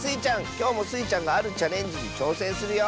きょうもスイちゃんがあるチャレンジにちょうせんするよ。